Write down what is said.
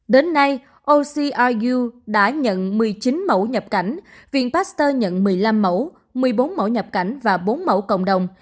đến nay ocru đã nhận một mươi chín mẫu nhập cảnh viện pasteur nhận một mươi năm mẫu một mươi bốn mẫu nhập cảnh và bốn mẫu cộng đồng